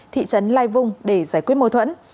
thị trấn lai vung để giải quyết mối thuẫn